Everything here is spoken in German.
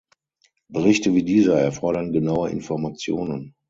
Berichte wie dieser erfordern genaue Informationen.